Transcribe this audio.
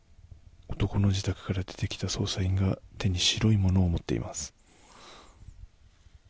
男の自宅から出てきた捜査員が手に白いものを持っています。